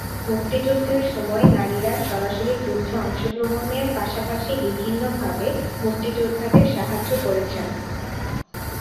মুক্তিযুদ্ধের সময় নারীরা সরাসরি যুদ্ধে অংশগ্রহণের পাশাপাশি বিভিন্নভাবে মুক্তিযোদ্ধাদের সাহায্য করেছেন।